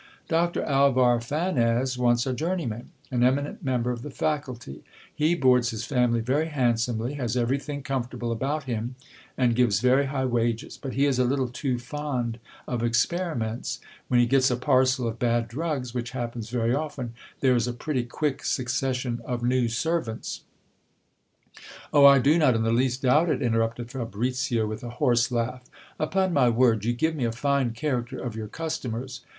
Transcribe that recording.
Doctor Alvar Fanez wants a journeyman ; an eminent member of the faculty ! He boards his family very handsomely, has everything comfortable about him, and gives very high wages ; but he is a little too fond of experiments. When he gets a parcel of bad drugs, which happens very often, there is a pretty quick suc cession of new servant?. Oh ! I do not in the least doubt it, interrupted Fabricio with a horse laugh. Upon my word, you give me a fine character of your customers.